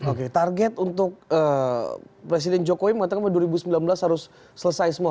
oke target untuk presiden jokowi mengatakan bahwa dua ribu sembilan belas harus selesai semua